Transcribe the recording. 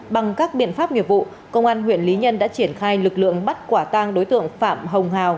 bằng các biện pháp nghiệp vụ công an huyện lý nhân đã triển khai lực lượng bắt quả tang đối tượng phạm hồng hào